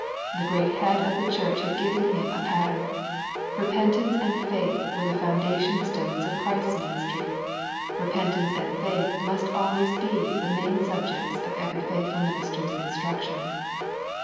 The Great Head of the Church had given him a pattern. Repentance and faith were the foundation stones of Christ's ministry. Repentance and faith must always be the main subjects of every faithful minister's instruction.